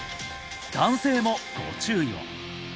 男性もご注意を！